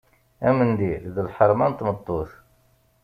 Amendil d lḥerma n tmeṭṭut.